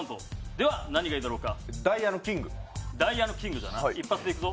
では、何がいいだろうか。